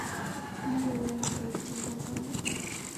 没有人可以经过这里！